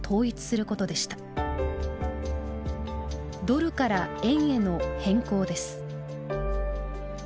「ドル」から「円」への変更です。